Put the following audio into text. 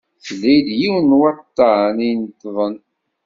Tlid yiwen n waḍḍan ineṭṭḍen.